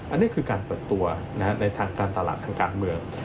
อันนี้คือการเปิดตัวในทางการตลาดทางการเมือง